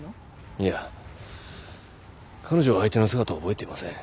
いや彼女は相手の姿を覚えていません